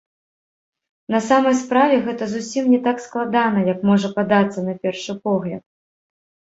На самай справе, гэта зусім не так складана, як можа падацца на першы погляд.